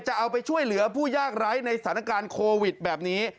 จะเอาไปช่วยเหลือผู้ยากไร้ในสถานการณ์โควิดแบบนี้